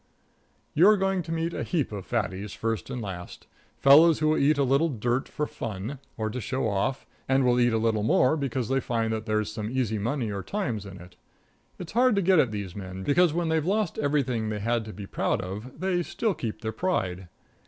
You are going to meet a heap of Fatties, first and last, fellows who'll eat a little dirt "for fun" or to show off, and who'll eat a little more because they find that there's some easy money or times in it. It's hard to get at these men, because when they've lost everything they had to be proud of, they still keep their pride.